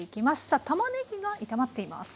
さあたまねぎが炒まっています。